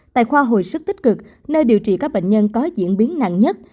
tại khoa hồi sức tích cực nơi điều trị các bệnh nhân có diễn biến nặng nhất